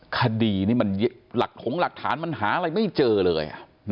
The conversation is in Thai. คดีนี่ของหลักฐานมันหาอะไรไม่เจอเลย